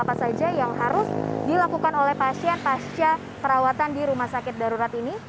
apa saja yang harus dilakukan oleh pasien pasca perawatan di rumah sakit darurat ini